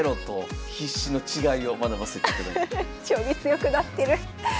将棋強くなってる。